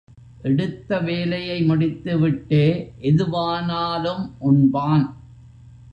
எடுத்த வேலையை முடித்துவிட்டே எதுவானாலும் உண்பான்.